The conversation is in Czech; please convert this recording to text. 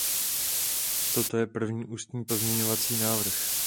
Toto je první ústní pozměňovací návrh.